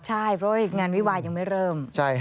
ใช่เพราะว่างานวิวายังไม่เริ่ม